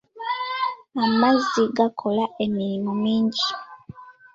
Amazzi gakola emirimu mingi.